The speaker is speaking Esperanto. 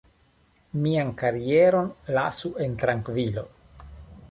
Mian karieron lasu en trankvilo.